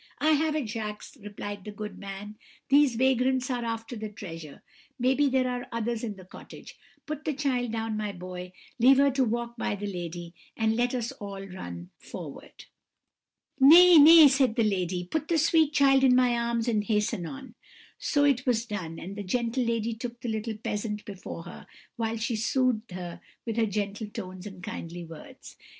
"'I have it, Jacques,' replied the good man; 'these vagrants are after the treasure; maybe there are others in the cottage; put the child down, my boy, leave her to walk by the lady, and let us all run forward.' "'Nay, nay,' said the lady, 'put the sweet child in my arms and hasten on.' So it was done, and the gentle lady took the little peasant before her, whilst she soothed her with her gentle tones and kindly words.